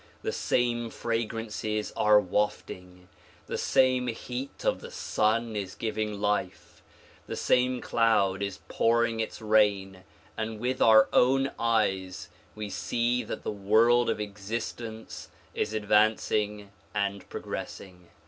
The same fragrances are wafting; the same heat of the Sun is giving life ; the same cloud is pouring its rain and with our own eyes we see that the world of existence is advancing and progressing.